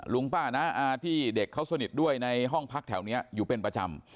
ลุงป้าน้าอาที่เด็กเขาสนิทด้วยในห้องพักแถวนี้อยู่เป็นประจำ